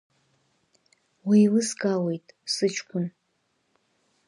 Уеилыскаауеит, сыҷкәын.